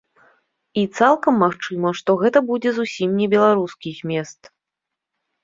І цалкам магчыма, што гэта будзе зусім не беларускі змест.